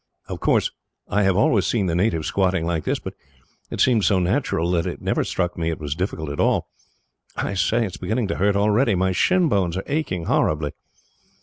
Of course, I have always seen the natives squatting like this, but it seemed so natural that it never struck me it was difficult at all. I say, it is beginning to hurt already. My shin bones are aching horribly."